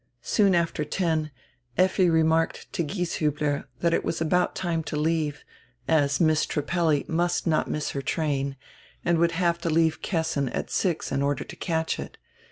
Soon after ten Effi remarked to Gieshiibler that it was about time to leave, as Miss Trippelli must not miss her train and would have to leave Kessin at six in order to catch it.